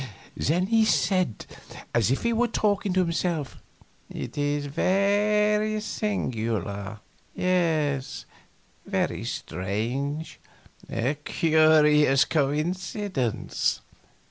Then he said, as if he were talking to himself: "It is ver y singular. Yes ... very strange. A curious coincidence."